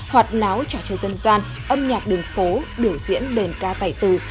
hoạt náo trả cho dân gian âm nhạc đường phố biểu diễn bền ca tài tử